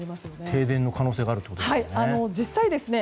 停電の可能性があるということですね。